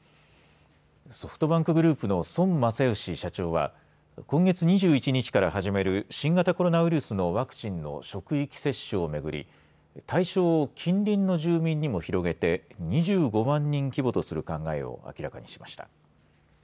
ソフトバンクグループの孫正義社長は今月２１日から始める新型コロナウイルスのワクチンの職域接種をめぐり対象を近隣の住民にも広げて２５万人規模とする考えを明らかにしました。